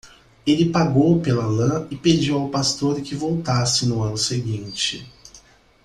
Ele pagou pela lã e pediu ao pastor que voltasse no ano seguinte.